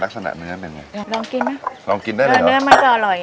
ลักษณะเนื้อเป็นยังไงลองกินนะลองกินได้เลยเหรอเนื้อมันก็อร่อย